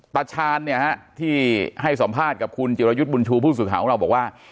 ประชานเนี่ยที่ให้สอบภาษณ์กับคุณจิตรยุทธ์บุญชูผู้สื่อของเราบอกว่า